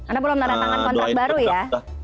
anda belum menerang tangan kontak baru ya